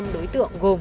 năm đối tượng gồm